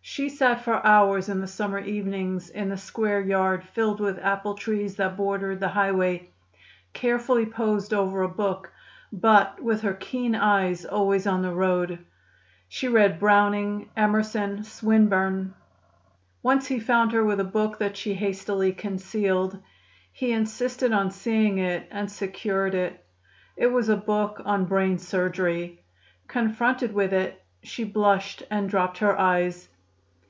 She sat for hours in the summer evenings in the square yard filled with apple trees that bordered the highway, carefully posed over a book, but with her keen eyes always on the road. She read Browning, Emerson, Swinburne. Once he found her with a book that she hastily concealed. He insisted on seeing it, and secured it. It was a book on brain surgery. Confronted with it, she blushed and dropped her eyes.